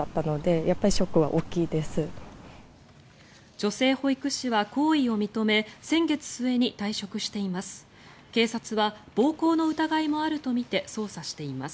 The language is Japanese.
女性保育士は行為を認め先月末に退職しています。